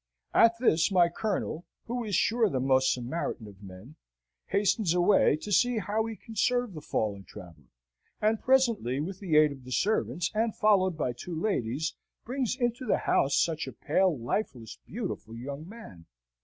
At this, my Colonel (who is sure the most Samaritan of men!) hastens away, to see how he can serve the fallen traveller, and presently, with the aid of the servants, and followed by two ladies, brings into the house such a pale, lifeless, beautiful, young man!